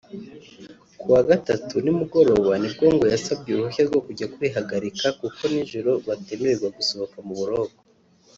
Ku wa Gatatu nimugoroba ni bwo ngo yasabye uruhushya rwo kujya kwihagarika kuko nijoro batemererwa gusohoka mu buroko